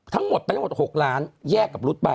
ทั้งหมด๖ล้านแยกกับรุษไป